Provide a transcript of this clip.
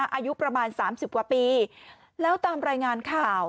อายุประมาณ๓๐กว่าปีแล้วตามรายงานข่าว